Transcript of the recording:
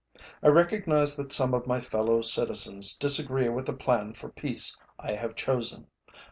I recognize that some of my fellow citizens disagree with the plan for peace I have chosen.